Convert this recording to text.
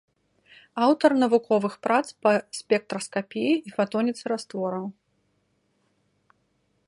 Аўтар навуковых прац па спектраскапіі і фатоніцы раствораў.